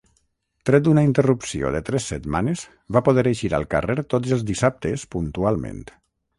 Tret d’una interrupció de tres setmanes, va poder eixir al carrer tots els dissabtes puntualment.